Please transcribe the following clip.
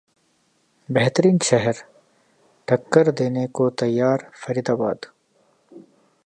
बेहतरीन शहर: टक्कर देने को तैयार फरीदाबाद